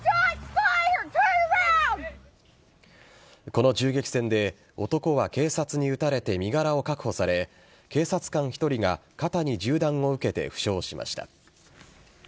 この銃撃戦で男は警察に撃たれて身柄を確保され警察官１人が肩に銃弾を受けて負傷しました。